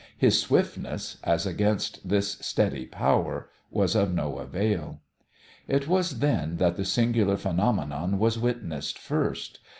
His swiftness, as against this steady power, was of no avail. It was then that the singular phenomenon was witnessed first.